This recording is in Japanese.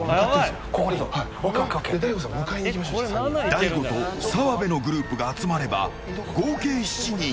大悟と澤部のグループが集まれば合計７人。